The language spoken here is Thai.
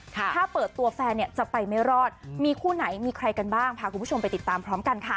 ถ้าเปิดตัวแฟนเนี่ยจะไปไม่รอดมีคู่ไหนมีใครกันบ้างพาคุณผู้ชมไปติดตามพร้อมกันค่ะ